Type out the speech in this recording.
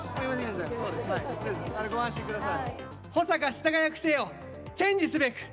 ご安心ください。